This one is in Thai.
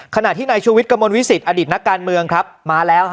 ขณะที่นายชูวิทย์กระมวลวิสิตอดิตนักการเมืองครับมาแล้ว